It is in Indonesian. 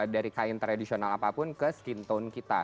dari kain tradisional apapun ke skin tone kita